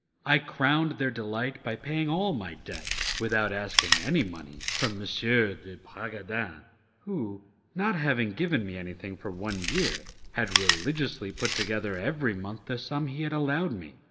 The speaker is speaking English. I crowned their delight by paying all my debts without asking any money from M. de Bragadin, who, not having given me anything for one year, had religiously put together every month the sum he had allowed me.